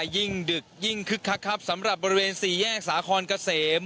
ยิ่งดึกยิ่งคึกคักครับสำหรับบริเวณสี่แยกสาคอนเกษม